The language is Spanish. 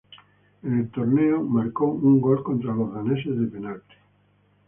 En el torneo marcó un gol contra los daneses de penalti.